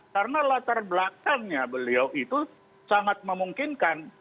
karena latar belakangnya beliau itu sangat memungkinkan